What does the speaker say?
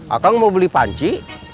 akang mau beli panci